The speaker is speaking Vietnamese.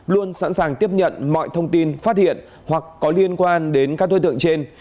luôn sẵn sàng tiếp nhận mọi thông tin phát hiện hoặc có liên quan đến các đối tượng trên